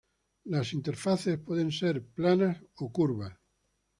Las interfaces pueden ser planas o curvas.